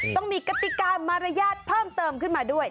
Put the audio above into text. ต้องมีกติกามารยาทเพิ่มเติมขึ้นมาด้วย